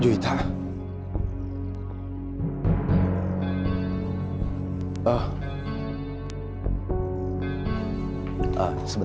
jujur lelah dipimpin ya barkest gini